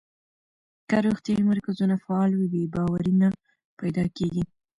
که روغتیايي مرکزونه فعال وي، بې باوري نه پیدا کېږي.